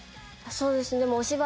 そうですね。